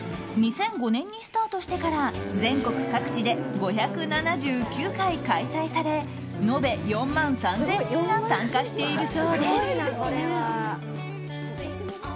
２００５年にスタートしてから全国各地で５７９回開催され延べ４万３０００人が参加しているそうです。